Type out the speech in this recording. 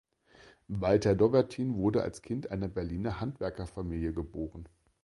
Walther Dobbertin wurde als Kind einer Berliner Handwerkerfamilie geboren.